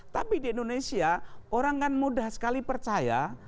tapi di indonesia orang kan mudah sekali percaya